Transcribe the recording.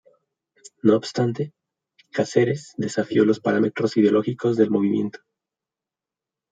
No obstante, Cáceres desafió los parámetros ideológicos del movimiento.